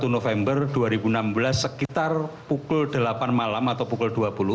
satu november dua ribu enam belas sekitar pukul delapan malam atau pukul dua puluh